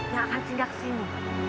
yang akan singgah kesini